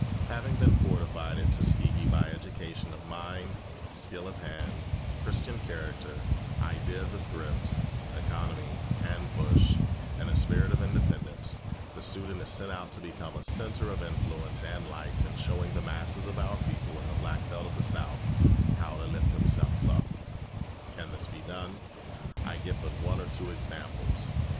Having been fortified at Tuskegee by education of mind, skill of hand, Christian character, ideas of thrift, economy, and push, and a spirit of independence, the student is sent out to become a centre of influence and light in showing the masses of our people in the Black Belt of the South how to lift themselves up. Can this be done? I give but one or two examples.